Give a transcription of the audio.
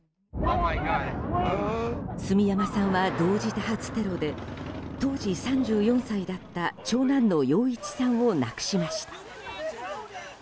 住山さんは同時多発テロで当時３４歳だった長男の陽一さんを亡くしました。